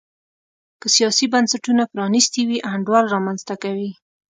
که سیاسي بنسټونه پرانیستي وي انډول رامنځته کوي.